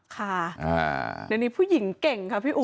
ค่ะในนี้ผู้หญิงเก่งครับพี่อุ๋ย